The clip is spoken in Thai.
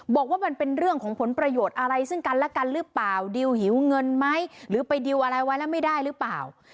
บอกว่ามันเป็นเรื่องของผลประโยชน์อะไรซึ่งกันและกันหรือเปล่าดิวหิวเงินไหมหรือไปดิวอะไรไว้แล้วไม่ได้หรือเปล่า